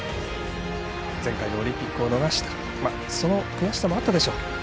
前回のオリンピックを逃したその悔しさもあったでしょう。